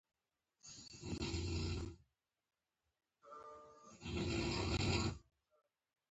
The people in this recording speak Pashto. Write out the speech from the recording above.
پر دې مدرسې اهل حدیثي بعد غلبه وکړه.